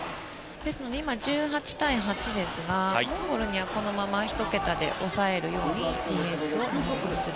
ですので今、１８対８ですがモンゴルにはこのまま１桁で抑えるようにディフェンスをする。